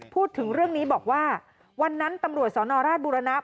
พูดถึงเรื่องนี้บอกว่าวันนั้นตำรวจสนราชบุรณะ